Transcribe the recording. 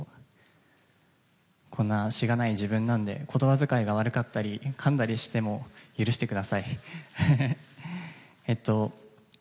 こんな、しがない自分なので言葉遣いが悪かったりかんだりしても許してください。